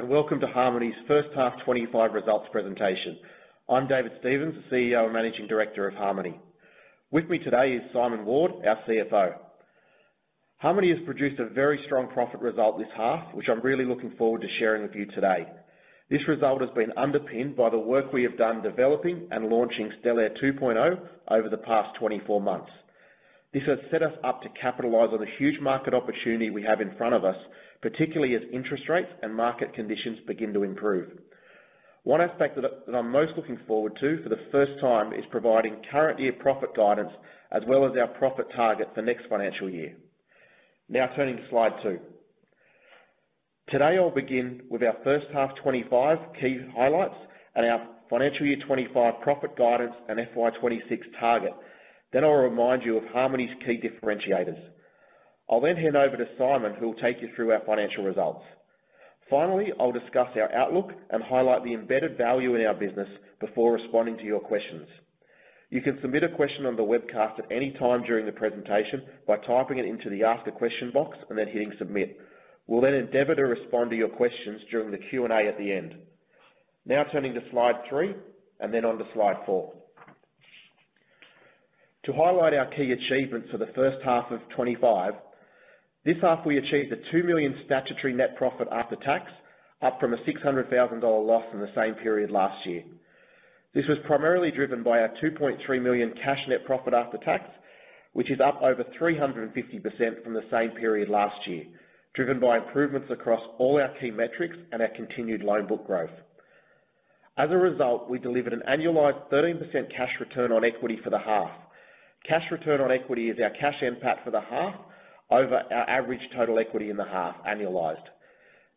Hello, and welcome to Harmoney's first half 2025 results presentation. I'm David Stevens, the CEO and Managing Director of Harmoney. With me today is Simon Ward, our CFO. Harmoney has produced a very strong profit result this half, which I'm really looking forward to sharing with you today. This result has been underpinned by the work we have done developing and launching Stellar 2.0 over the past 24 months. This has set us up to capitalize on the huge market opportunity we have in front of us, particularly as interest rates and market conditions begin to improve. One aspect that I'm most looking forward to for the first time is providing current year profit guidance, as well as our profit target for next financial year. Now, turning to slide two. Today, I'll begin with our first half 2025 key highlights and our financial year 2025 profit guidance and FY 2026 target. Then, I'll remind you of Harmoney's key differentiators. I'll then hand over to Simon, who will take you through our financial results. Finally, I'll discuss our outlook and highlight the embedded value in our business before responding to your questions. You can submit a question on the webcast at any time during the presentation by typing it into the Ask a Question box and then hitting Submit. We'll then endeavor to respond to your questions during the Q&A at the end. Now, turning to slide three and then on to slide four. To highlight our key achievements for the first half of 2025, this half we achieved a $2 million statutory net profit after tax, up from a $600,000 loss in the same period last year. This was primarily driven by our 2.3 million cash net profit after tax, which is up over 350% from the same period last year, driven by improvements across all our key metrics and our continued loan book growth. As a result, we delivered an annualized 13% cash return on equity for the half. Cash return on equity is our cash impact for the half over our average total equity in the half annualized.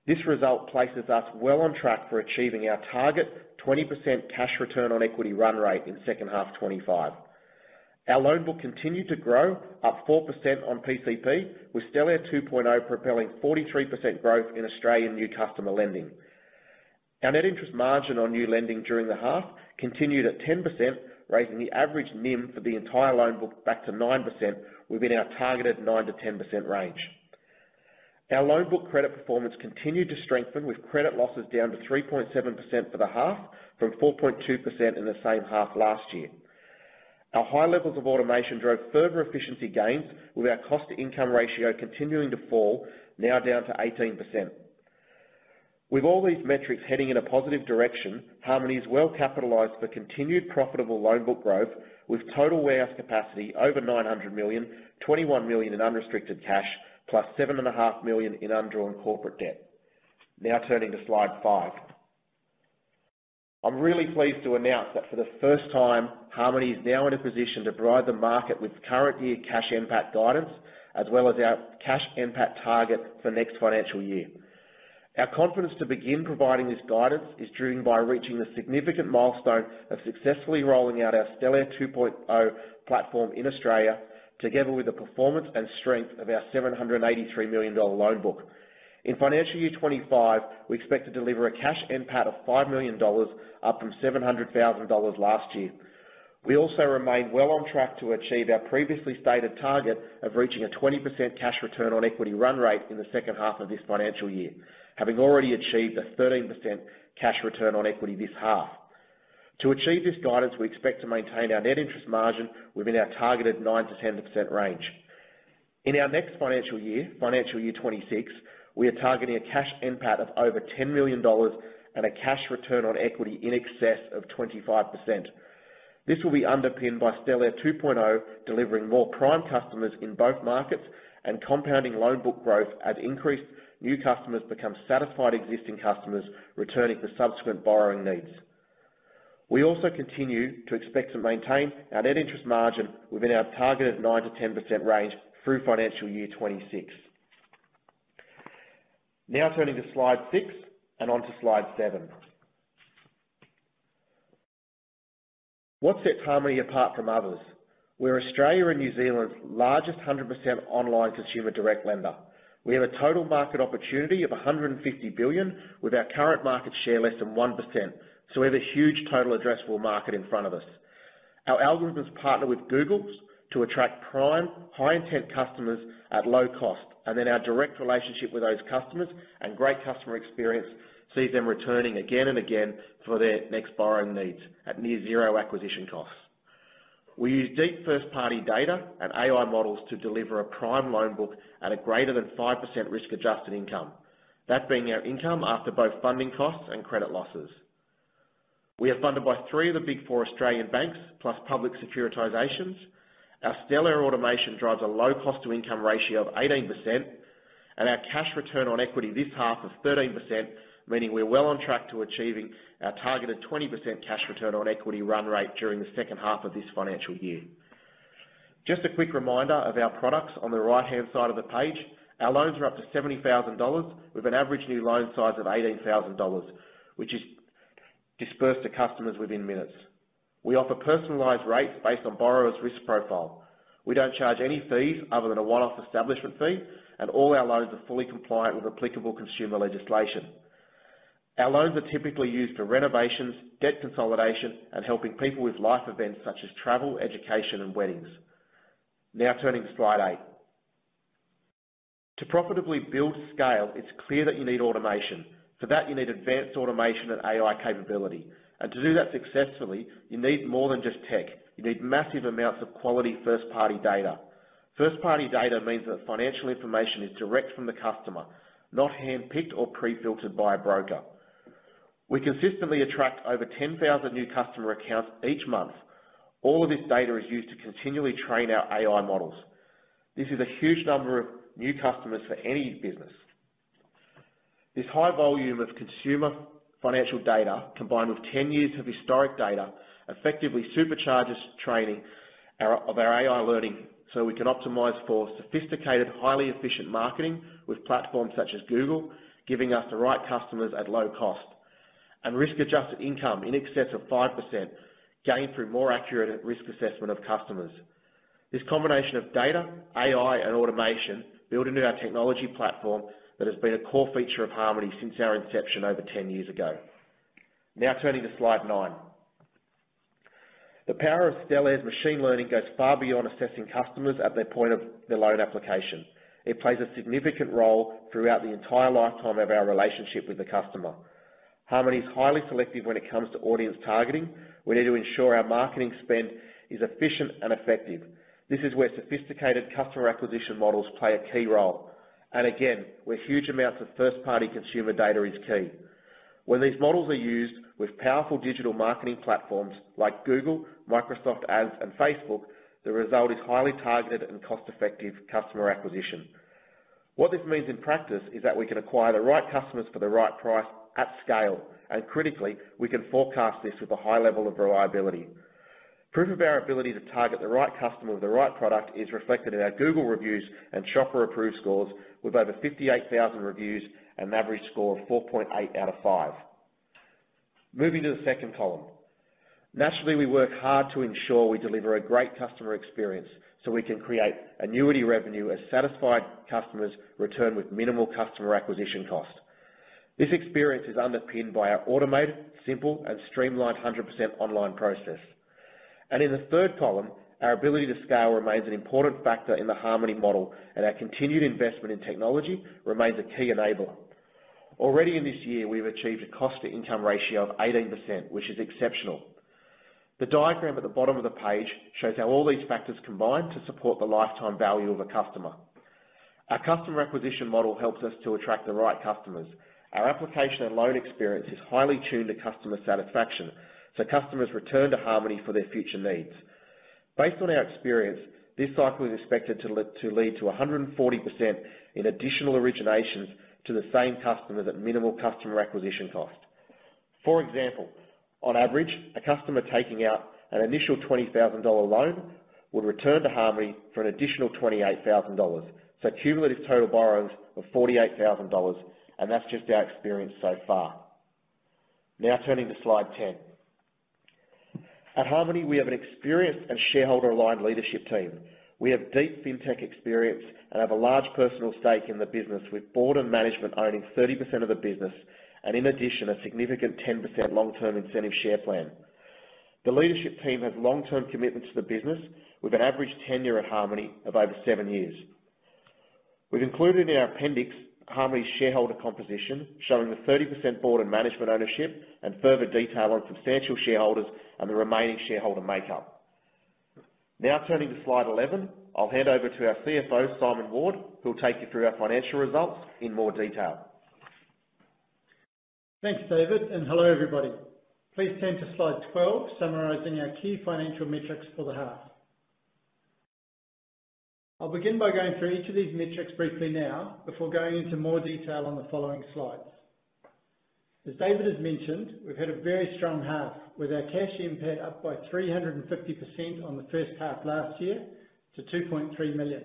This result places us well on track for achieving our target 20% cash return on equity run rate in second half 2025. Our loan book continued to grow, up 4% on PCP, with Stellare 2.0 propelling 43% growth in Australian new customer lending. Our net interest margin on new lending during the half continued at 10%, raising the average NIM for the entire loan book back to 9% within our targeted 9%-10% range. Our loan book credit performance continued to strengthen, with credit losses down to 3.7% for the half, from 4.2% in the same half last year. Our high levels of automation drove further efficiency gains, with our cost-to-income ratio continuing to fall, now down to 18%. With all these metrics heading in a positive direction, Harmoney has well capitalized for continued profitable loan book growth, with total warehouse capacity over 900 million, 21 million in unrestricted cash, plus 7.5 million in undrawn corporate debt. Now, turning to slide five. I'm really pleased to announce that for the first time, Harmoney is now in a position to brief the market with current year cash impact guidance, as well as our cash impact target for next financial year. Our confidence to begin providing this guidance is driven by reaching the significant milestone of successfully rolling out our Stellare 2.0 platform in Australia, together with the performance and strength of our 783 million dollar loan book. In financial year 2025, we expect to deliver a cash impact of 5 million dollars, up from 700,000 dollars last year. We also remain well on track to achieve our previously stated target of reaching a 20% cash return on equity run rate in the second half of this financial year, having already achieved a 13% cash return on equity this half. To achieve this guidance, we expect to maintain our net interest margin within our targeted 9%-10% range. In our next financial year, financial year 2026, we are targeting a cash impact of over 10 million dollars and a cash return on equity in excess of 25%. This will be underpinned by Stellare 2.0 delivering more prime customers in both markets and compounding loan book growth as increased new customers become satisfied existing customers, returning to subsequent borrowing needs. We also continue to expect to maintain our net interest margin within our targeted 9%-10% range through financial year 2026. Now, turning to slide six and on to slide seven. What sets Harmoney apart from others? We're Australia and New Zealand's largest 100% online consumer direct lender. We have a total market opportunity of $150 billion, with our current market share less than 1%. So we have a huge total addressable market in front of us. Our algorithms partner with Google's to attract prime, high-intent customers at low cost, and then our direct relationship with those customers and great customer experience sees them returning again and again for their next borrowing needs at near-zero acquisition costs. We use deep first-party data and AI models to deliver a prime loan book at a greater than 5% risk-adjusted income, that being our income after both funding costs and credit losses. We are funded by three of the Big Four Australian banks, plus public securitizations. Our Stellare automation drives a low cost-to-income ratio of 18%, and our cash return on equity this half is 13%, meaning we're well on track to achieving our targeted 20% cash return on equity run rate during the second half of this financial year. Just a quick reminder of our products on the right-hand side of the page. Our loans are up to $70,000, with an average new loan size of $18,000, which is disbursed to customers within minutes. We offer personalized rates based on borrowers' risk profile. We don't charge any fees other than a one-off establishment fee, and all our loans are fully compliant with applicable consumer legislation. Our loans are typically used for renovations, debt consolidation, and helping people with life events such as travel, education, and weddings. Now, turning to slide eight. To profitably build scale, it's clear that you need automation. For that, you need advanced automation and AI capability. And to do that successfully, you need more than just tech. You need massive amounts of quality first-party data. First-party data means that financial information is direct from the customer, not handpicked or pre-filtered by a broker. We consistently attract over 10,000 new customer accounts each month. All of this data is used to continually train our AI models. This is a huge number of new customers for any business. This high volume of consumer financial data, combined with 10 years of historic data, effectively supercharges training of our AI learning so we can optimize for sophisticated, highly efficient marketing with platforms such as Google, giving us the right customers at low cost, and risk-adjusted income in excess of 5% gained through more accurate risk assessment of customers. This combination of data, AI, and automation built into our technology platform that has been a core feature of Harmoney since our inception over 10 years ago. Now, turning to slide nine. The power of Stellare's machine learning goes far beyond assessing customers at the point of the loan application. It plays a significant role throughout the entire lifetime of our relationship with the customer. Harmoney is highly selective when it comes to audience targeting. We need to ensure our marketing spend is efficient and effective. This is where sophisticated customer acquisition models play a key role, and again, where huge amounts of first-party consumer data is key. When these models are used with powerful digital marketing platforms like Google, Microsoft Ads, and Facebook, the result is highly targeted and cost-effective customer acquisition. What this means in practice is that we can acquire the right customers for the right price at scale, and critically, we can forecast this with a high level of reliability. Proof of our ability to target the right customer with the right product is reflected in our Google Reviews and Shopper Approved scores, with over 58,000 reviews and an average score of 4.8 out of 5. Moving to the second column. Naturally, we work hard to ensure we deliver a great customer experience so we can create annuity revenue as satisfied customers return with minimal customer acquisition cost. This experience is underpinned by our automated, simple, and streamlined 100% online process. In the third column, our ability to scale remains an important factor in the Harmoney model, and our continued investment in technology remains a key enabler. Already in this year, we've achieved a cost-to-income ratio of 18%, which is exceptional. The diagram at the bottom of the page shows how all these factors combine to support the lifetime value of a customer. Our customer acquisition model helps us to attract the right customers. Our application and loan experience is highly tuned to customer satisfaction, so customers return to Harmoney for their future needs. Based on our experience, this cycle is expected to lead to 140% in additional originations to the same customers at minimal customer acquisition cost. For example, on average, a customer taking out an initial 20,000 dollar loan would return to Harmoney for an additional 28,000 dollars. So cumulative total borrowings of 48,000 dollars. And that's just our experience so far. Now, turning to slide 10. At Harmoney, we have an experienced and shareholder-aligned leadership team. We have deep fintech experience and have a large personal stake in the business, with board and management owning 30% of the business and, in addition, a significant 10% long-term incentive share plan. The leadership team has long-term commitment to the business, with an average tenure at Harmoney of over seven years. We've included in our appendix Harmoney's shareholder composition, showing the 30% board and management ownership and further detail on substantial shareholders and the remaining shareholder makeup. Now, turning to slide 11, I'll hand over to our CFO, Simon Ward, who'll take you through our financial results in more detail. Thanks, David. And hello, everybody. Please turn to slide 12, summarizing our key financial metrics for the half. I'll begin by going through each of these metrics briefly now before going into more detail on the following slides. As David has mentioned, we've had a very strong half, with our cash impact up by 350% on the first half last year to 2.3 million.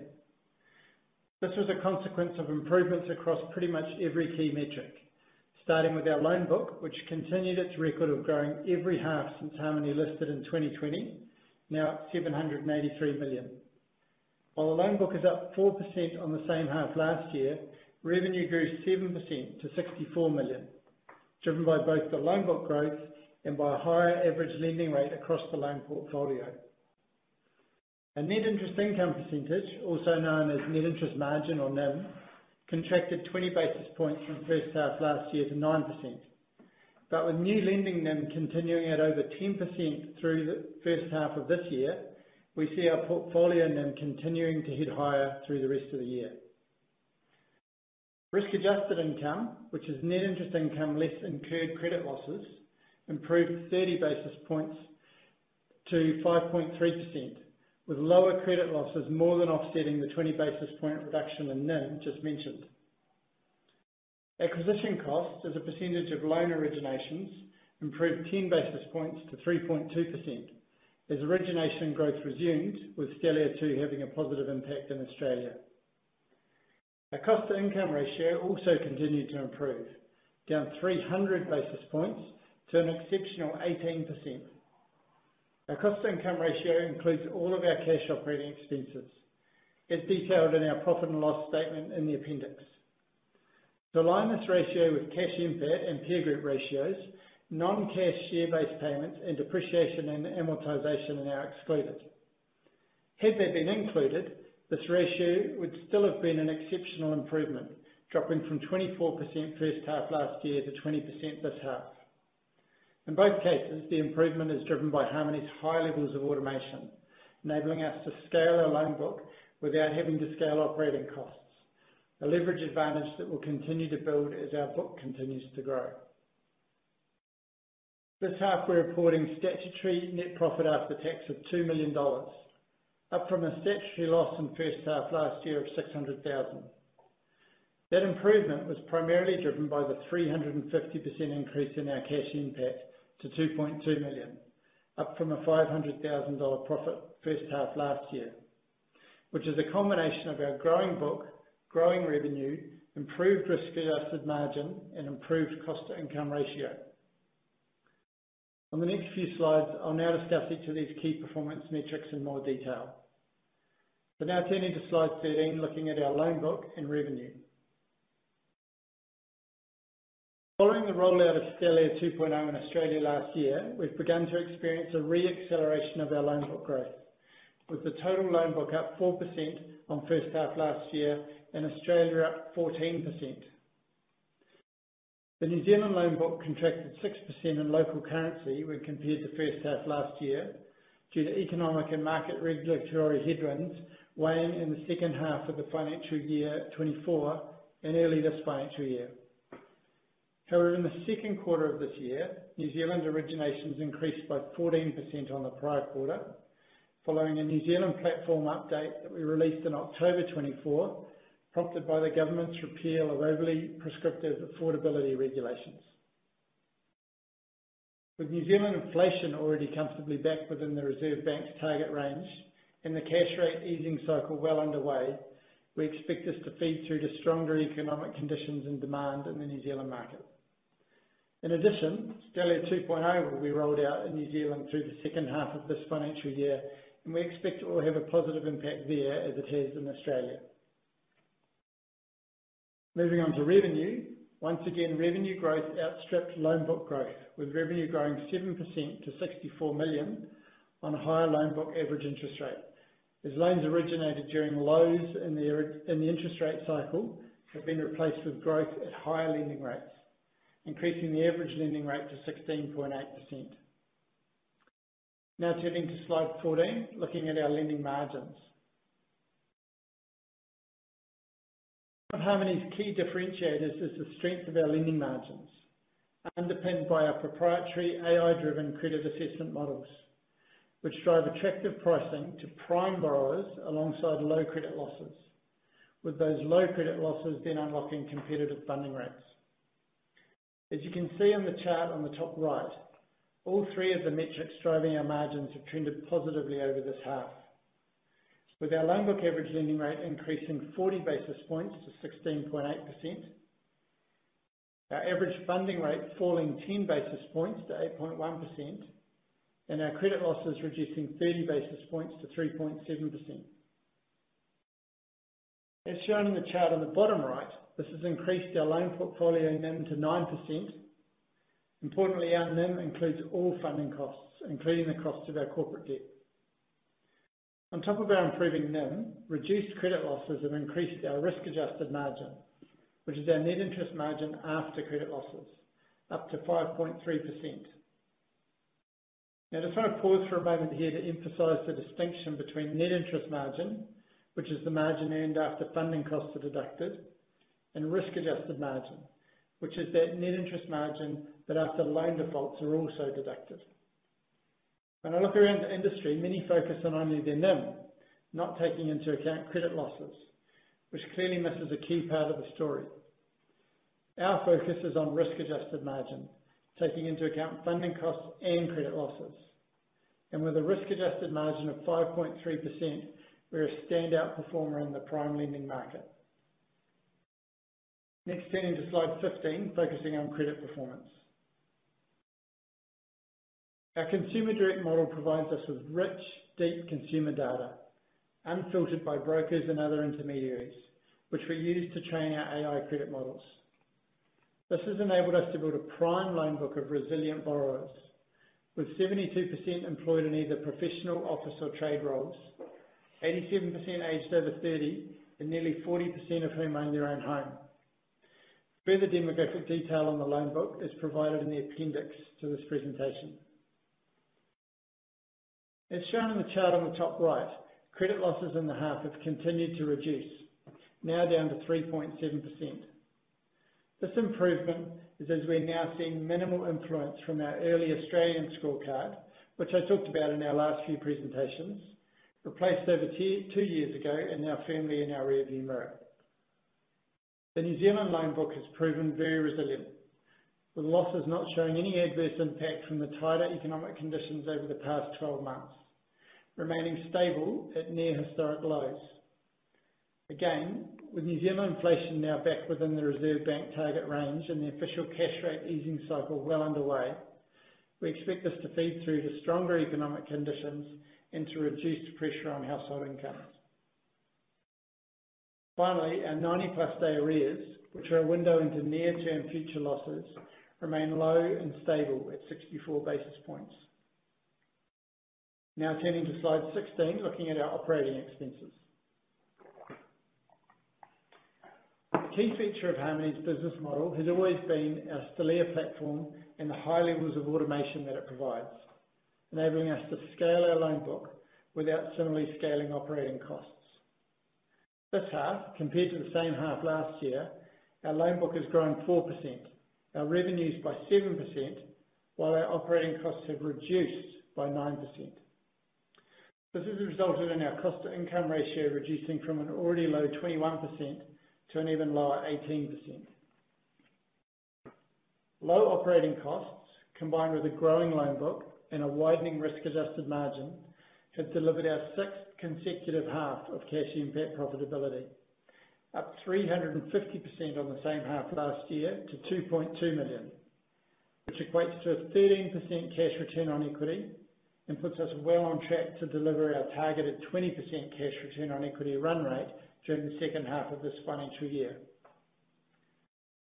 This was a consequence of improvements across pretty much every key metric, starting with our loan book, which continued its record of growing every half since Harmoney listed in 2020, now at 783 million. While the loan book is up 4% on the same half last year, revenue grew 7% to 64 million, driven by both the loan book growth and by a higher average lending rate across the loan portfolio. Our net interest income percentage, also known as net interest margin or NIM, contracted 20 basis points from first half last year to 9%. But with new lending NIM continuing at over 10% through the first half of this year, we see our portfolio NIM continuing to hit higher through the rest of the year. Risk-adjusted income, which is net interest income less incurred credit losses, improved 30 basis points to 5.3%, with lower credit losses more than offsetting the 20 basis point reduction in NIM just mentioned. Acquisition cost, as a percentage of loan originations, improved 10 basis points to 3.2%, as origination growth resumed, with Stellare 2 having a positive impact in Australia. Our cost-to-income ratio also continued to improve, down 300 basis points to an exceptional 18%. Our cost-to-income ratio includes all of our cash operating expenses. It's detailed in our profit and loss statement in the appendix. The alignment ratio with cash impact and peer group ratios, non-cash share-based payments, and depreciation and amortization now excluded. Had they been included, this ratio would still have been an exceptional improvement, dropping from 24% first half last year to 20% this half. In both cases, the improvement is driven by Harmoney's high levels of automation, enabling us to scale our loan book without having to scale operating costs. A leverage advantage that will continue to build as our book continues to grow. This half, we're reporting statutory net profit after tax of 2 million dollars, up from a statutory loss in first half last year of 600,000. That improvement was primarily driven by the 350% increase in our cash impact to 2.2 million, up from a 500,000 dollar profit first half last year, which is a combination of our growing book, growing revenue, improved risk-adjusted margin, and improved cost-to-income ratio. On the next few slides, I'll now discuss each of these key performance metrics in more detail. But now, turning to slide 13, looking at our loan book and revenue. Following the rollout of Stellare 2.0 in Australia last year, we've begun to experience a re-acceleration of our loan book growth, with the total loan book up 4% on first half last year and Australia up 14%. The New Zealand loan book contracted 6% in local currency when compared to first half last year due to economic and market regulatory headwinds weighing in the second half of the financial year 2024 and early this financial year. However, in the second quarter of this year, New Zealand originations increased by 14% on the prior quarter, following a New Zealand platform update that we released in October 2024, prompted by the government's repeal of overly prescriptive affordability regulations. With New Zealand inflation already comfortably back within the Reserve Bank of New Zealand's target range and the cash rate easing cycle well underway, we expect this to feed through to stronger economic conditions and demand in the New Zealand market. In addition, Stellare 2.0 will be rolled out in New Zealand through the second half of this financial year, and we expect it will have a positive impact there as it has in Australia. Moving on to revenue, once again, revenue growth outstripped loan book growth, with revenue growing 7% to 64 million on a higher loan book average interest rate. As loans originated during lows in the interest rate cycle, they've been replaced with growth at higher lending rates, increasing the average lending rate to 16.8%. Now, turning to slide 14, looking at our lending margins. One of Harmoney's key differentiators is the strength of our lending margins, underpinned by our proprietary AI-driven credit assessment models, which drive attractive pricing to prime borrowers alongside low credit losses, with those low credit losses then unlocking competitive funding rates. As you can see on the chart on the top right, all three of the metrics driving our margins have trended positively over this half, with our loan book average lending rate increasing 40 basis points to 16.8%, our average funding rate falling 10 basis points to 8.1%, and our credit losses reducing 30 basis points to 3.7%. As shown in the chart on the bottom right, this has increased our loan portfolio NIM to 9%. Importantly, our NIM includes all funding costs, including the cost of our corporate debt. On top of our improving NIM, reduced credit losses have increased our risk-adjusted margin, which is our net interest margin after credit losses, up to 5.3%. Now, I just want to pause for a moment here to emphasize the distinction between net interest margin, which is the margin earned after funding costs are deducted, and risk-adjusted margin, which is that net interest margin that after loan defaults are also deducted. When I look around the industry, many focus on only their NIM, not taking into account credit losses, which clearly misses a key part of the story. Our focus is on risk-adjusted margin, taking into account funding costs and credit losses. And with a risk-adjusted margin of 5.3%, we're a standout performer in the prime lending market. Next, turning to slide 15, focusing on credit performance. Our consumer direct model provides us with rich, deep consumer data, unfiltered by brokers and other intermediaries, which we use to train our AI credit models. This has enabled us to build a prime loan book of resilient borrowers, with 72% employed in either professional, office, or trade roles, 87% aged over 30, and nearly 40% of whom own their own home. Further demographic detail on the loan book is provided in the appendix to this presentation. As shown in the chart on the top right, credit losses in the half have continued to reduce, now down to 3.7%. This improvement is as we're now seeing minimal influence from our early Australian scorecard, which I talked about in our last few presentations, replaced over two years ago and now firmly in our rearview mirror. The New Zealand loan book has proven very resilient, with losses not showing any adverse impact from the tighter economic conditions over the past 12 months, remaining stable at near historic lows. Again, with New Zealand inflation now back within the Reserve Bank target range and the Official Cash Rate easing cycle well underway, we expect this to feed through to stronger economic conditions and to reduced pressure on household incomes. Finally, our 90-plus day arrears, which are a window into near-term future losses, remain low and stable at 64 basis points. Now, turning to slide 16, looking at our operating expenses. The key feature of Harmoney's business model has always been our Stellare platform and the high levels of automation that it provides, enabling us to scale our loan book without similarly scaling operating costs. This half, compared to the same half last year, our loan book has grown 4%, our revenues by 7%, while our operating costs have reduced by 9%. This has resulted in our cost-to-income ratio reducing from an already low 21% to an even lower 18%. Low operating costs, combined with a growing loan book and a widening risk-adjusted margin, have delivered our sixth consecutive half of cash impact profitability, up 350% on the same half last year to 2.2 million, which equates to a 13% cash return on equity and puts us well on track to deliver our targeted 20% cash return on equity run rate during the second half of this financial year.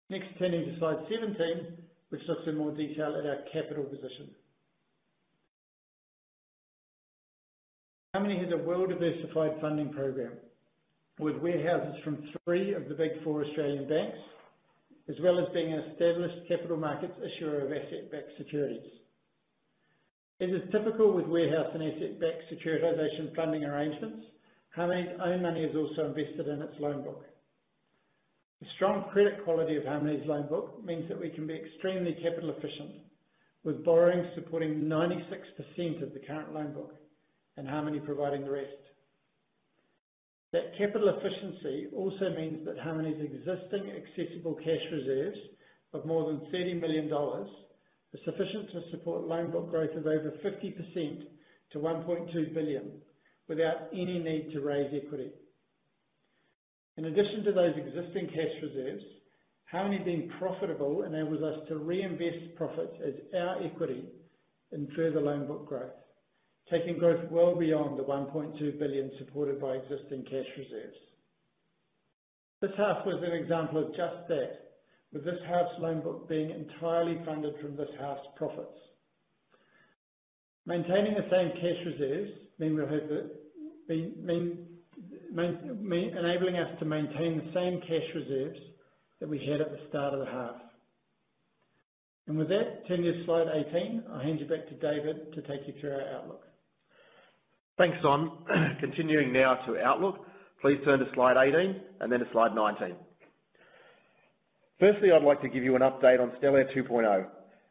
Next, turning to slide 17, which looks in more detail at our capital position. Harmoney has a well-diversified funding program, with warehouses from three of the big four Australian banks, as well as being an established capital markets issuer of asset-backed securities. As is typical with warehouse and asset-backed securitization funding arrangements, Harmoney's own money is also invested in its loan book. The strong credit quality of Harmoney's loan book means that we can be extremely capital efficient, with borrowing supporting 96% of the current loan book and Harmoney providing the rest. That capital efficiency also means that Harmoney's existing accessible cash reserves of more than 30 million dollars are sufficient to support loan book growth of over 50% to 1.2 billion without any need to raise equity. In addition to those existing cash reserves, Harmoney being profitable enables us to reinvest profits as our equity in further loan book growth, taking growth well beyond the 1.2 billion supported by existing cash reserves. This half was an example of just that, with this half's loan book being entirely funded from this half's profits. Maintaining the same cash reserves means enabling us to maintain the same cash reserves that we had at the start of the half. And with that, turning to slide 18, I'll hand you back to David to take you through our Outlook. Thanks, Simon. Continuing now to Outlook, please turn to slide 18 and then to slide 19. Firstly, I'd like to give you an update on Stellare 2.0.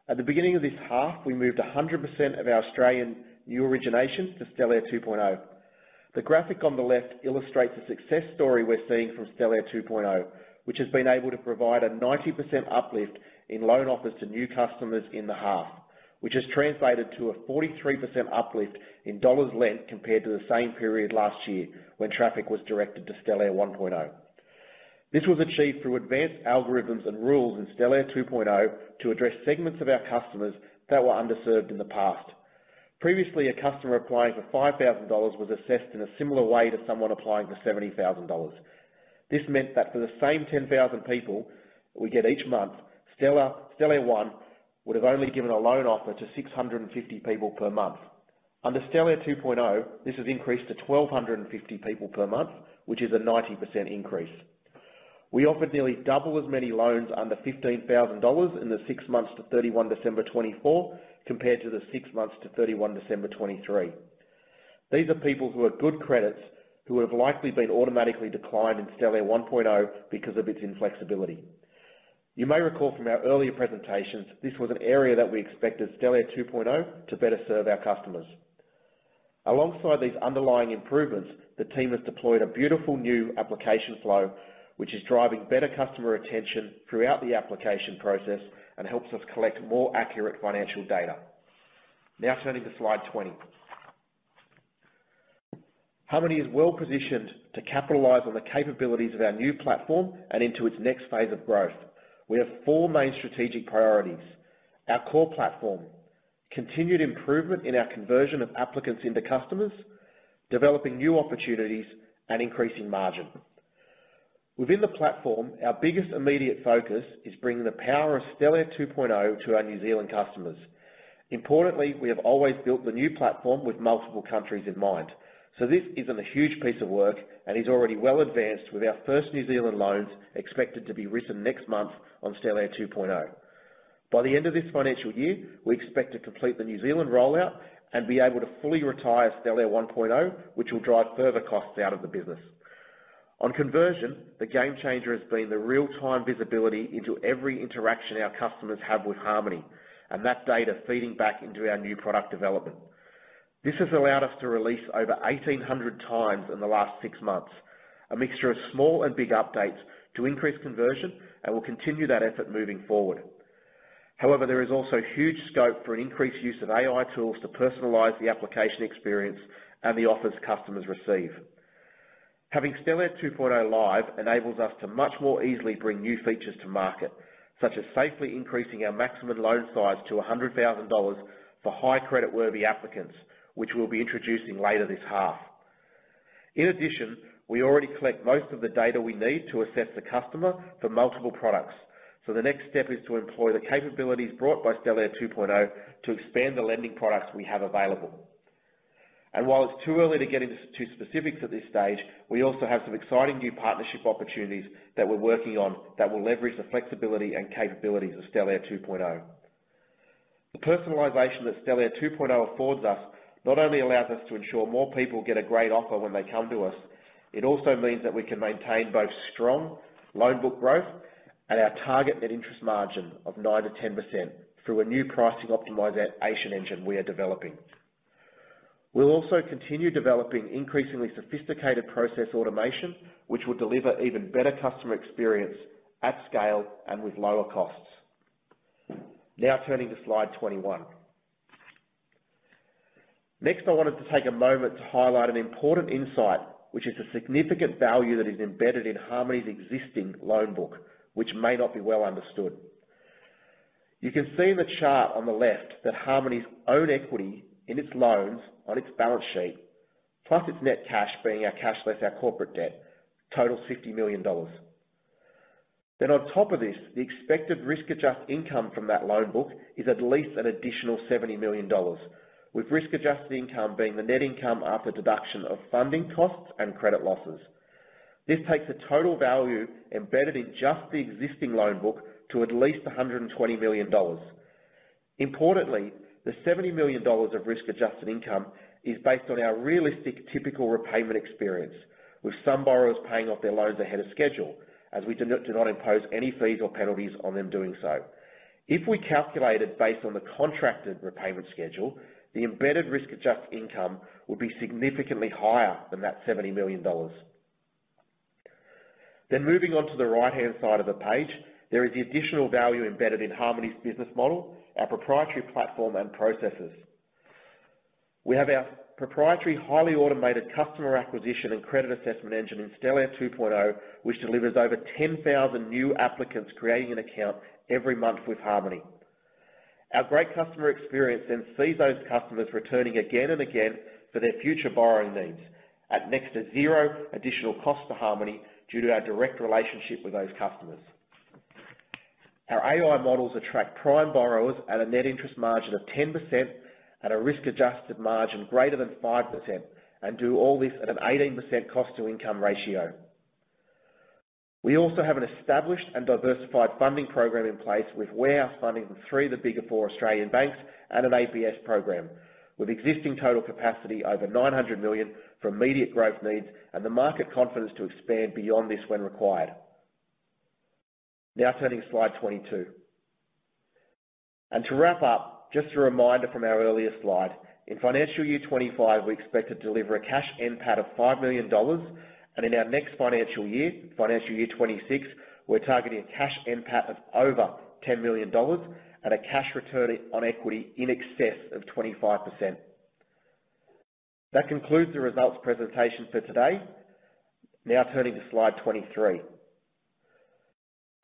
At the beginning of this half, we moved 100% of our Australian new originations to Stellare 2.0. The graphic on the left illustrates the success story we're seeing from Stellare 2.0, which has been able to provide a 90% uplift in loan offers to new customers in the half, which has translated to a 43% uplift in dollars lent compared to the same period last year when traffic was directed to Stellare 1.0. This was achieved through advanced algorithms and rules in Stellare 2.0 to address segments of our customers that were underserved in the past. Previously, a customer applying for 5,000 dollars was assessed in a similar way to someone applying for 70,000 dollars. This meant that for the same 10,000 people we get each month, Stellare 1 would have only given a loan offer to 650 people per month. Under Stellare 2.0, this has increased to 1,250 people per month, which is a 90% increase. We offered nearly double as many loans under $15,000 in the six months to 31 December 2024 compared to the six months to 31 December 2023. These are people who are good credits who would have likely been automatically declined in Stellare 1.0 because of its inflexibility. You may recall from our earlier presentations, this was an area that we expected Stellare 2.0 to better serve our customers. Alongside these underlying improvements, the team has deployed a beautiful new application flow, which is driving better customer attention throughout the application process and helps us collect more accurate financial data. Now, turning to slide 20. Harmoney is well positioned to capitalize on the capabilities of our new platform and into its next phase of growth. We have four main strategic priorities: our core platform, continued improvement in our conversion of applicants into customers, developing new opportunities, and increasing margin. Within the platform, our biggest immediate focus is bringing the power of Stellare 2.0 to our New Zealand customers. Importantly, we have always built the new platform with multiple countries in mind, so this isn't a huge piece of work and is already well advanced with our first New Zealand loans expected to be written next month on Stellare 2.0. By the end of this financial year, we expect to complete the New Zealand rollout and be able to fully retire Stellare 1.0, which will drive further costs out of the business. On conversion, the game changer has been the real-time visibility into every interaction our customers have with Harmoney, and that data feeding back into our new product development. This has allowed us to release over 1,800 times in the last six months, a mixture of small and big updates to increase conversion, and will continue that effort moving forward. However, there is also huge scope for an increased use of AI tools to personalize the application experience and the offers customers receive. Having Stellare 2.0 live enables us to much more easily bring new features to market, such as safely increasing our maximum loan size to $100,000 for high credit-worthy applicants, which we'll be introducing later this half. In addition, we already collect most of the data we need to assess the customer for multiple products, so the next step is to employ the capabilities brought by Stellare 2.0 to expand the lending products we have available. And while it's too early to get into too many specifics at this stage, we also have some exciting new partnership opportunities that we're working on that will leverage the flexibility and capabilities of Stellare 2.0. The personalization that Stellare 2.0 affords us not only allows us to ensure more people get a great offer when they come to us, it also means that we can maintain both strong loan book growth and our target net interest margin of 9%-10% through a new pricing optimization engine we are developing. We'll also continue developing increasingly sophisticated process automation, which will deliver even better customer experience at scale and with lower costs. Now, turning to slide 21. Next, I wanted to take a moment to highlight an important insight, which is the significant value that is embedded in Harmoney's existing loan book, which may not be well understood. You can see in the chart on the left that Harmoney's own equity in its loans on its balance sheet, plus its net cash being our cash less our corporate debt, totals 50 million dollars. Then, on top of this, the expected risk-adjusted income from that loan book is at least an additional 70 million dollars, with risk-adjusted income being the net income after deduction of funding costs and credit losses. This takes the total value embedded in just the existing loan book to at least 120 million dollars. Importantly, the 70 million dollars of risk-adjusted income is based on our realistic typical repayment experience, with some borrowers paying off their loans ahead of schedule as we do not impose any fees or penalties on them doing so. If we calculate it based on the contracted repayment schedule, the embedded risk-adjusted income would be significantly higher than that 70 million dollars. Then, moving on to the right-hand side of the page, there is the additional value embedded in Harmoney's business model, our proprietary platform and processes. We have our proprietary highly automated customer acquisition and credit assessment engine in Stellare 2.0, which delivers over 10,000 new applicants creating an account every month with Harmoney. Our great customer experience then sees those customers returning again and again for their future borrowing needs at next to zero additional cost to Harmoney due to our direct relationship with those customers. Our AI models attract prime borrowers at a net interest margin of 10% and a risk-adjusted margin greater than 5%, and do all this at an 18% cost-to-income ratio. We also have an established and diversified funding program in place with warehouse funding through the big four Australian banks and an ABS program, with existing total capacity over 900 million for immediate growth needs and the market confidence to expand beyond this when required. Now, turning to slide 22, and to wrap up, just a reminder from our earlier slide, in financial year 2025, we expect to deliver a cash NPAT of 5 million dollars, and in our next financial year, financial year 2026, we're targeting a cash NPAT of over 10 million dollars and a cash return on equity in excess of 25%. That concludes the results presentation for today. Now, turning to slide 23.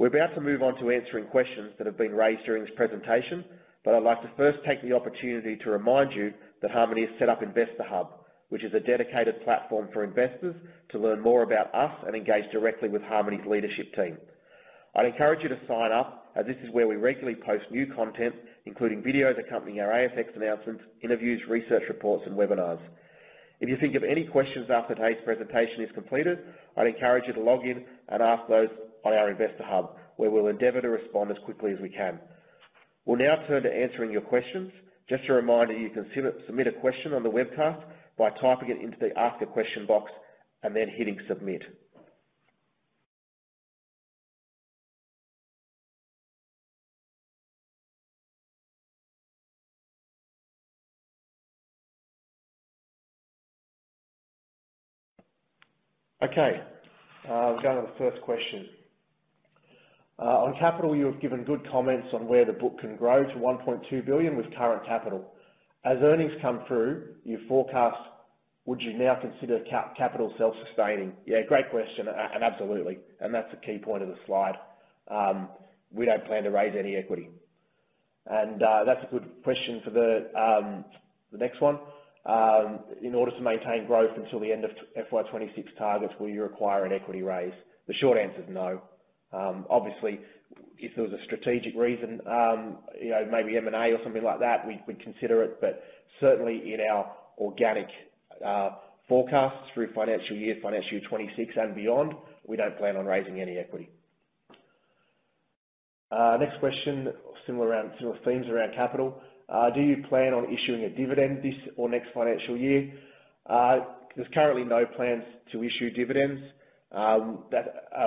We're about to move on to answering questions that have been raised during this presentation, but I'd like to first take the opportunity to remind you that Harmoney has set up Investor Hub, which is a dedicated platform for investors to learn more about us and engage directly with Harmoney's leadership team. I'd encourage you to sign up, as this is where we regularly post new content, including videos accompanying our ASX announcements, interviews, research reports, and webinars. If you think of any questions after today's presentation is completed, I'd encourage you to log in and ask those on our Investor Hub, where we'll endeavor to respond as quickly as we can. We'll now turn to answering your questions. Just a reminder, you can submit a question on the webcast by typing it into the Ask a Question box and then hitting Submit. Okay. I'll go to the first question. On capital, you have given good comments on where the book can grow to 1.2 billion with current capital. As earnings come through, you forecast, would you now consider capital self-sustaining? Yeah, great question, and absolutely. And that's a key point of the slide. We don't plan to raise any equity. And that's a good question for the next one. In order to maintain growth until the end of FY 2026 targets, will you require an equity raise? The short answer is no. Obviously, if there was a strategic reason, maybe M&A or something like that, we'd consider it, but certainly in our organic forecasts through financial year, financial year 2026 and beyond, we don't plan on raising any equity. Next question, similar themes around capital. Do you plan on issuing a dividend this or next financial year? There's currently no plans to issue dividends.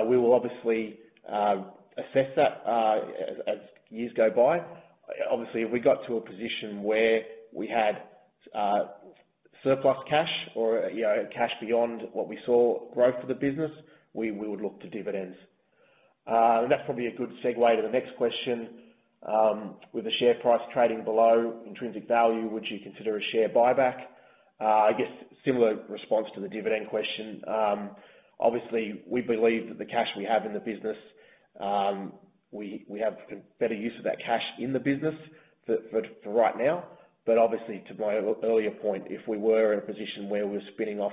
We will obviously assess that as years go by. Obviously, if we got to a position where we had surplus cash or cash beyond what we saw growth for the business, we would look to dividends. And that's probably a good segue to the next question. With the share price trading below intrinsic value, would you consider a share buyback? I guess similar response to the dividend question. Obviously, we believe that the cash we have in the business, we have better use of that cash in the business for right now, but obviously, to my earlier point, if we were in a position where we were spinning off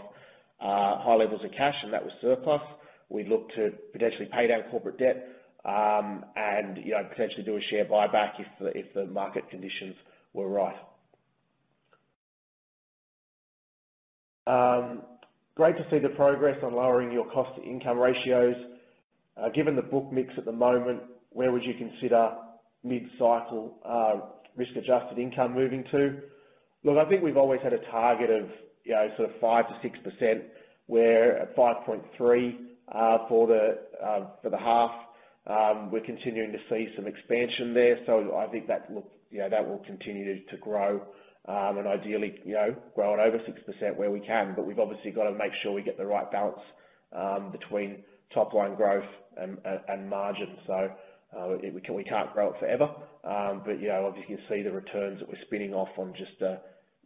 high levels of cash and that was surplus, we'd look to potentially pay down corporate debt and potentially do a share buyback if the market conditions were right. Great to see the progress on lowering your cost-to-income ratios. Given the book mix at the moment, where would you consider mid-cycle risk-adjusted income moving to? Look, I think we've always had a target of sort of 5%-6%, where at 5.3% for the half, we're continuing to see some expansion there, so I think that will continue to grow and ideally grow at over 6% where we can, but we've obviously got to make sure we get the right balance between top-line growth and margin, so we can't grow it forever. But obviously, you can see the returns that we're spinning off on just a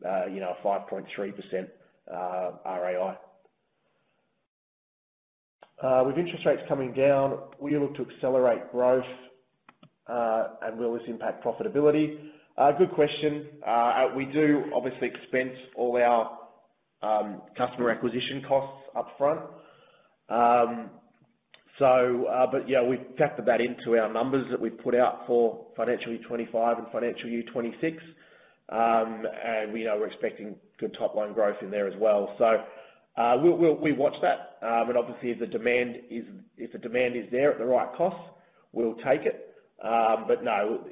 5.3% RAI. With interest rates coming down, will you look to accelerate growth and will this impact profitability? Good question. We do obviously expense all our customer acquisition costs upfront, but we've factored that into our numbers that we've put out for financial year 2025 and financial year 2026, and we're expecting good top-line growth in there as well. So we watch that, and obviously, if the demand is there at the right costs, we'll take it. But no,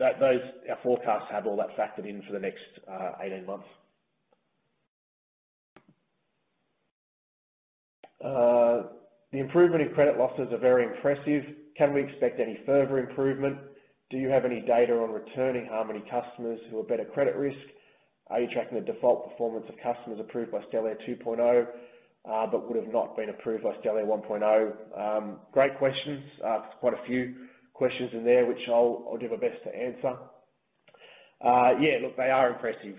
our forecasts have all that factored in for the next 18 months. The improvement in credit losses is very impressive. Can we expect any further improvement? Do you have any data on returning Harmoney customers who are better credit risk? Are you tracking the default performance of customers approved by Stellare 2.0 but would have not been approved by Stellare 1.0? Great questions. There's quite a few questions in there, which I'll do my best to answer. Yeah, look, they are impressive.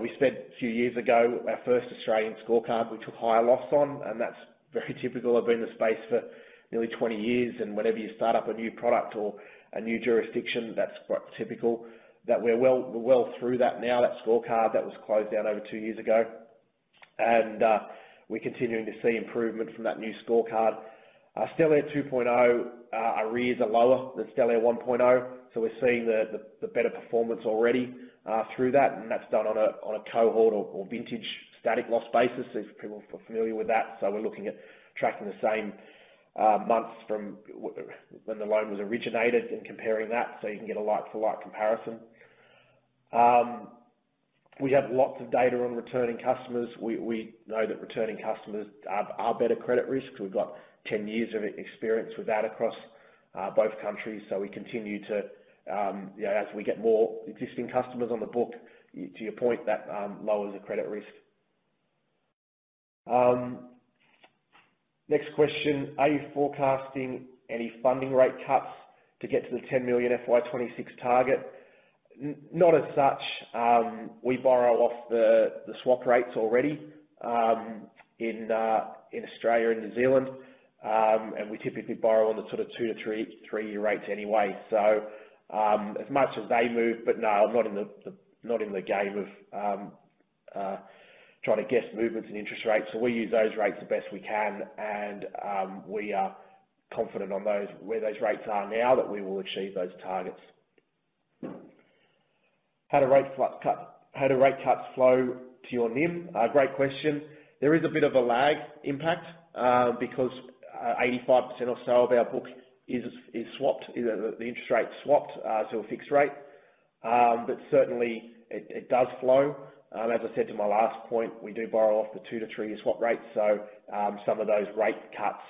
We spent a few years ago our first Australian scorecard we took higher loss on, and that's very typical. I've been in this space for nearly 20 years, and whenever you start up a new product or a new jurisdiction, that's quite typical that we're well through that now, that scorecard that was closed down over two years ago, and we're continuing to see improvement from that new scorecard. Stellare 2.0, our arrears are lower than Stellare 1.0, so we're seeing the better performance already through that, and that's done on a cohort or vintage static loss basis. If people are familiar with that, so we're looking at tracking the same months from when the loan was originated and comparing that, so you can get a like-for-like comparison. We have lots of data on returning customers. We know that returning customers are better credit risk. We've got 10 years of experience with that across both countries, so we continue to, as we get more existing customers on the book, to your point, that lowers the credit risk. Next question, are you forecasting any funding rate cuts to get to the 10 million FY 2026 target? Not as such. We borrow off the swap rates already in Australia and New Zealand, and we typically borrow on the sort of two- to three-year rates anyway, so as much as they move, but no, I'm not in the game of trying to guess movements in interest rates, so we use those rates the best we can, and we are confident on where those rates are now that we will achieve those targets. How do rate cuts flow to your NIM? Great question. There is a bit of a lag impact because 85% or so of our book is swapped, the interest rate's swapped to a fixed rate, but certainly, it does flow. As I said to my last point, we do borrow off the two- to three-year swap rates, so some of those rate cuts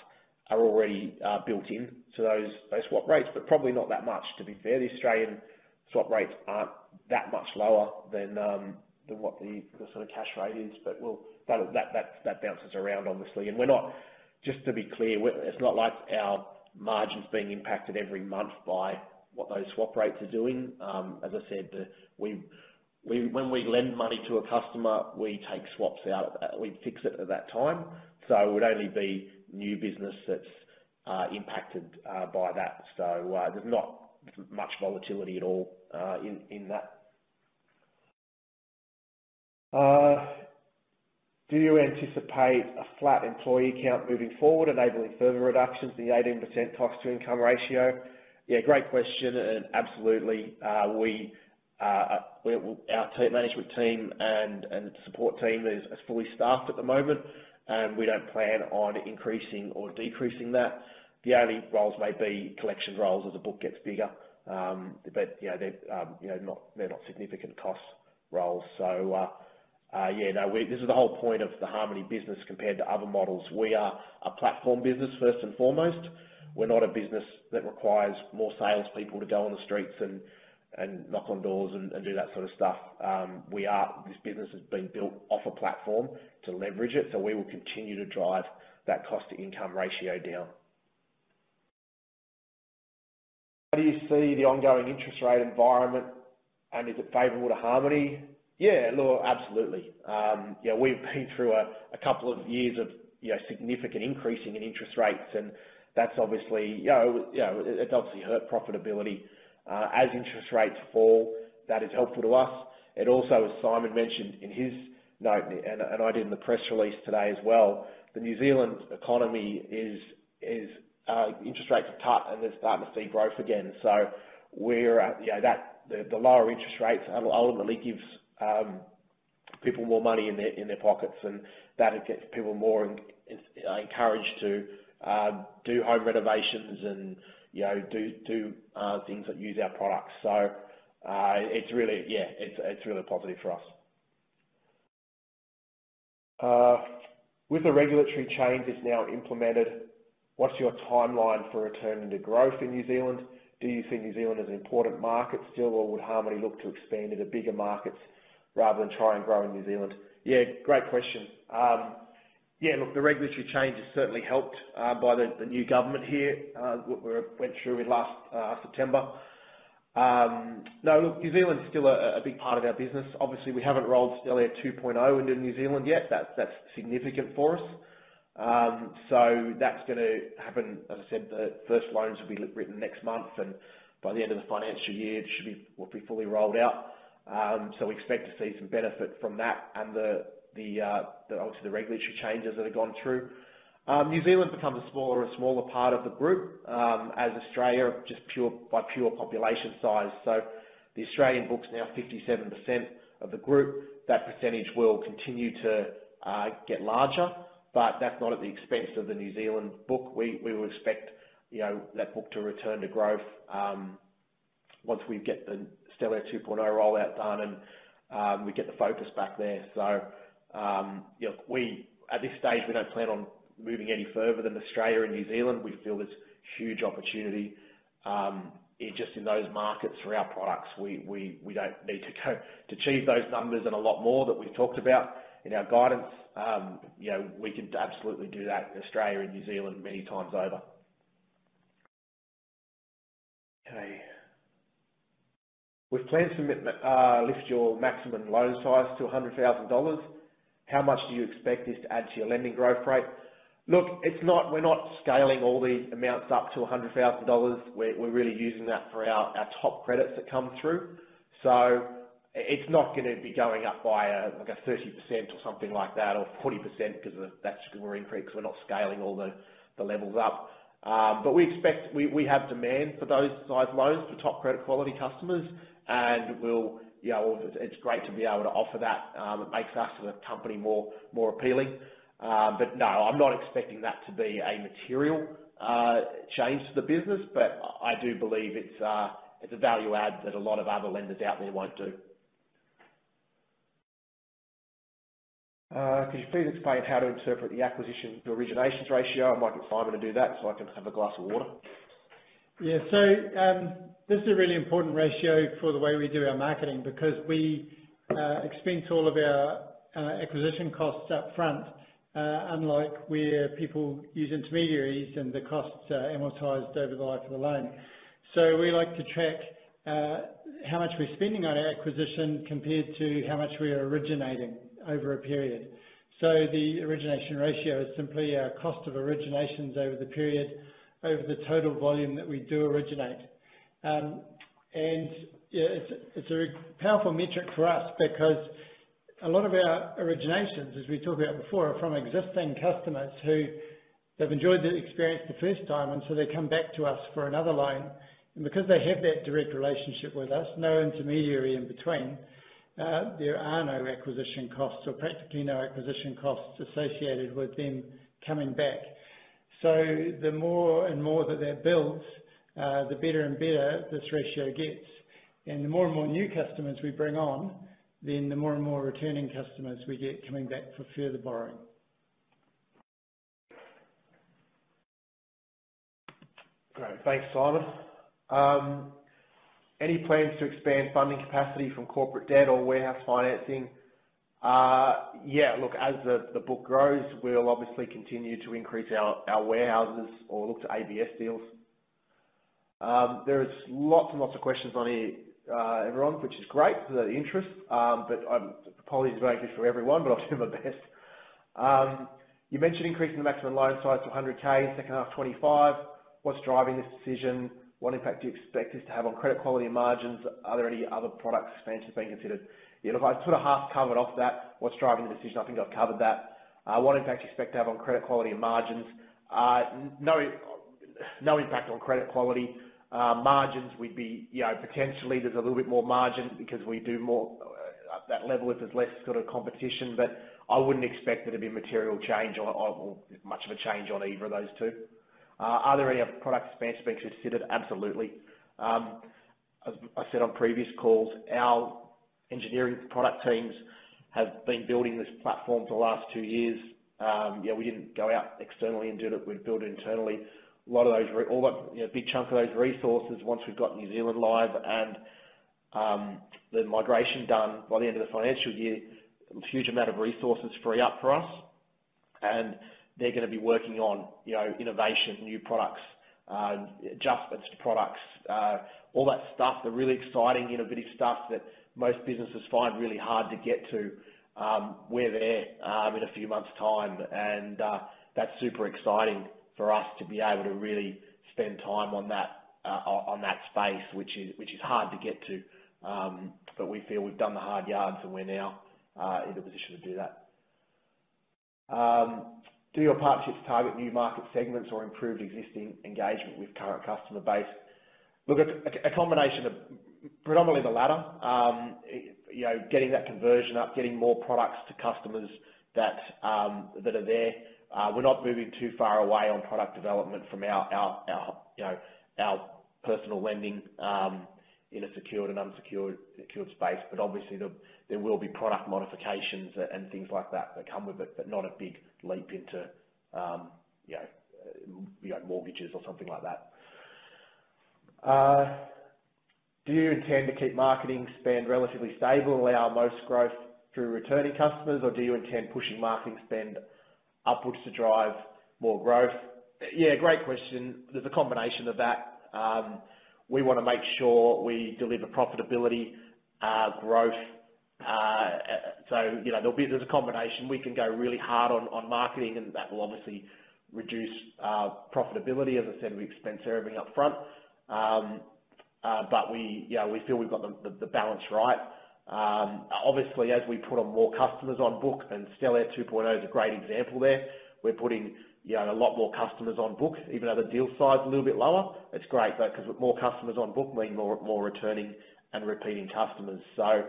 are already built into those swap rates, but probably not that much, to be fair. The Australian swap rates aren't that much lower than what the sort of cash rate is, but that bounces around, obviously, and we're not, just to be clear, it's not like our margin's being impacted every month by what those swap rates are doing. As I said, when we lend money to a customer, we take swaps out of that. We fix it at that time, so it would only be new business that's impacted by that, so there's not much volatility at all in that. Do you anticipate a flat employee count moving forward, enabling further reductions in the 18% cost-to-income ratio? Yeah, great question, and absolutely. Our management team and support team is fully staffed at the moment, and we don't plan on increasing or decreasing that. The only roles may be collection roles as the book gets bigger, but they're not significant cost roles. So yeah, no, this is the whole point of the Harmoney business compared to other models. We are a platform business, first and foremost. We're not a business that requires more salespeople to go on the streets and knock on doors and do that sort of stuff. This business has been built off a platform to leverage it, so we will continue to drive that cost-to-income ratio down. How do you see the ongoing interest rate environment, and is it favorable to Harmoney? Yeah, look, absolutely. Yeah, we've been through a couple of years of significant increasing in interest rates, and that's obviously hurt profitability. As interest rates fall, that is helpful to us, and also, as Simon mentioned in his note, and I did in the press release today as well, the New Zealand economy is, interest rates are tight, and they're starting to see growth again, so the lower interest rates ultimately gives people more money in their pockets, and that gets people more encouraged to do home renovations and do things that use our products, so yeah, it's really positive for us. With the regulatory changes now implemented, what's your timeline for returning to growth in New Zealand? Do you see New Zealand as an important market still, or would Harmoney look to expand into bigger markets rather than try and grow in New Zealand? Yeah, great question. Yeah, look, the regulatory changes certainly helped by the new government here, what we went through last September. No, look, New Zealand's still a big part of our business. Obviously, we haven't rolled Stellare 2.0 into New Zealand yet. That's significant for us. So that's going to happen. As I said, the first loans will be written next month, and by the end of the financial year, it should be fully rolled out. So we expect to see some benefit from that and, obviously, the regulatory changes that have gone through. New Zealand becomes a smaller and smaller part of the group as Australia, just by pure population size. So the Australian book's now 57% of the group. That percentage will continue to get larger, but that's not at the expense of the New Zealand book. We will expect that book to return to growth once we get the Stellare 2.0 rollout done and we get the focus back there. So at this stage, we don't plan on moving any further than Australia and New Zealand. We feel there's huge opportunity just in those markets for our products. We don't need to achieve those numbers and a lot more that we've talked about in our guidance. We can absolutely do that in Australia and New Zealand many times over. Okay. We've planned to lift your maximum loan size to 100,000 dollars. How much do you expect this to add to your lending growth rate? Look, we're not scaling all the amounts up to $100,000. We're really using that for our top credits that come through. So it's not going to be going up by like a 30% or something like that or 40% because that's going to increase. We're not scaling all the levels up. But we have demand for those size loans for top credit-quality customers, and it's great to be able to offer that. It makes us as a company more appealing. But no, I'm not expecting that to be a material change to the business, but I do believe it's a value add that a lot of other lenders out there won't do. Could you please explain how to interpret the acquisition-to-originations ratio? I might get Simon to do that so I can have a glass of water. Yeah, so this is a really important ratio for the way we do our marketing because we expense all of our acquisition costs upfront, unlike where people use intermediaries and the costs are amortized over the life of the loan. So we like to check how much we're spending on our acquisition compared to how much we are originating over a period. So the origination ratio is simply our cost of originations over the period, over the total volume that we do originate. And it's a powerful metric for us because a lot of our originations, as we talked about before, are from existing customers who have enjoyed the experience the first time, and so they come back to us for another loan. And because they have that direct relationship with us, no intermediary in between, there are no acquisition costs or practically no acquisition costs associated with them coming back. So the more and more that that builds, the better and better this ratio gets. And the more and more new customers we bring on, then the more and more returning customers we get coming back for further borrowing. Great. Thanks, Simon. Any plans to expand funding capacity from corporate debt or warehouse financing? Yeah, look, as the book grows, we'll obviously continue to increase our warehouses or look to ABS deals. There are lots and lots of questions on here, everyone, which is great. The interest, but apologies if I don't get through everyone, but I'll do my best. You mentioned increasing the maximum loan size to 100K, second half 2025. What's driving this decision? What impact do you expect this to have on credit quality and margins? Are there any other products expansions being considered? Yeah, look, I sort of half covered off that. What's driving the decision? I think I've covered that. What impact do you expect to have on credit quality and margins? No impact on credit quality. Margins, we'd be potentially, there's a little bit more margin because we do more at that level if there's less sort of competition, but I wouldn't expect there to be material change or much of a change on either of those two. Are there any other product expansions being considered? Absolutely. As I said on previous calls, our engineering product teams have been building this platform for the last two years. Yeah, we didn't go out externally and do it. We'd build it internally. A lot of those big chunks of those resources, once we've got New Zealand live and the migration done by the end of the financial year, a huge amount of resources free up for us, and they're going to be working on innovation, new products, adjustments to products, all that stuff. The really exciting innovative stuff that most businesses find really hard to get to, we're there in a few months' time, and that's super exciting for us to be able to really spend time on that space, which is hard to get to, but we feel we've done the hard yards, and we're now in the position to do that. Do your partnerships target new market segments or improve existing engagement with current customer base? Look, a combination of predominantly the latter. Getting that conversion up, getting more products to customers that are there. We're not moving too far away on product development from our personal lending in a secured and unsecured space, but obviously, there will be product modifications and things like that that come with it, but not a big leap into mortgages or something like that. Do you intend to keep marketing spend relatively stable and allow most growth through returning customers, or do you intend pushing marketing spend upwards to drive more growth? Yeah, great question. There's a combination of that. We want to make sure we deliver profitability, growth. So there'll be a combination. We can go really hard on marketing, and that will obviously reduce profitability. As I said, we expense everything upfront, but we feel we've got the balance right. Obviously, as we put on more customers on book, and Stellare 2.0 is a great example there, we're putting a lot more customers on book, even though the deal size is a little bit lower. It's great because with more customers on book, we're getting more returning and repeating customers. So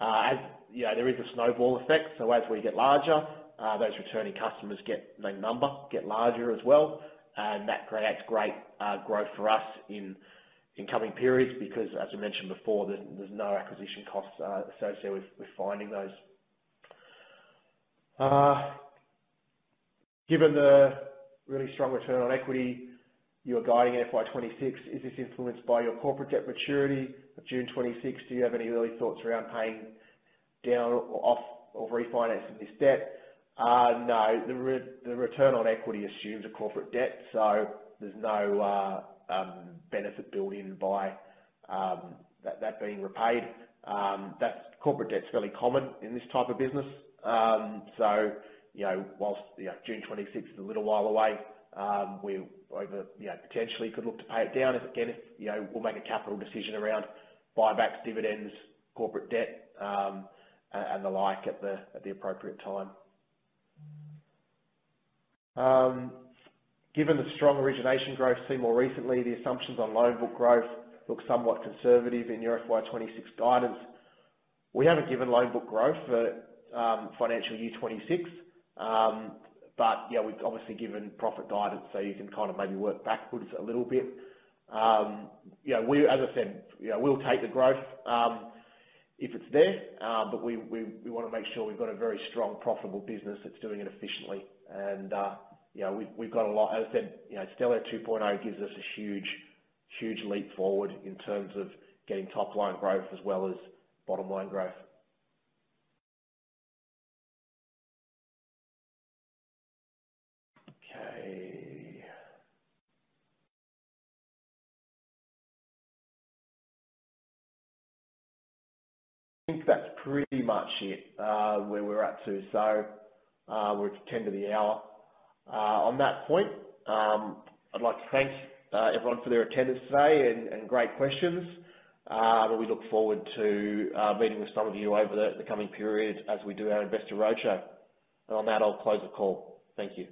there is a snowball effect. So as we get larger, those returning customers get larger as well, and that creates great growth for us in coming periods because, as I mentioned before, there's no acquisition costs associated with finding those. Given the really strong return on equity you are guiding in FY26, is this influenced by your corporate debt maturity of June 2026? Do you have any early thoughts around paying down or off or refinancing this debt? No. The return on equity assumes a corporate debt, so there's no benefit built in by that being repaid. Corporate debt's fairly common in this type of business. So while June 26 is a little while away, we potentially could look to pay it down again if we'll make a capital decision around buybacks, dividends, corporate debt, and the like at the appropriate time. Given the strong origination growth seen more recently, the assumptions on loan book growth look somewhat conservative in your FY26 guidance. We haven't given loan book growth for financial year 26, but yeah, we've obviously given profit guidance, so you can kind of maybe work backwards a little bit. As I said, we'll take the growth if it's there, but we want to make sure we've got a very strong, profitable business that's doing it efficiently. And we've got a lot as I said, Stellare 2.0 gives us a huge leap forward in terms of getting top-line growth as well as bottom-line growth. Okay. I think that's pretty much it where we're at today. So we're at 10 to the hour. On that point, I'd like to thank everyone for their attendance today and great questions. We look forward to meeting with some of you over the coming period as we do our investor roadshow. And on that, I'll close the call. Thank you.